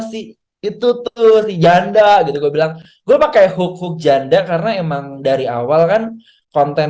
sih itu tuh si janda gitu gua bilang gua pakai hukuk janda karena emang dari awal kan konten